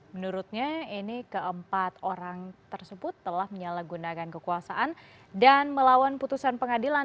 menurutnya ini keempat orang tersebut telah menyalahgunakan kekuasaan dan melawan putusan pengadilan